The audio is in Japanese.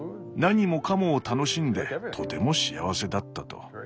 何もかもを楽しんでとても幸せだったと。